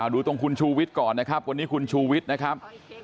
ดูตรงคุณชูวิทย์ก่อนนะครับวันนี้คุณชูวิทย์นะครับ